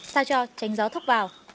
sao cho tránh gió thốc vào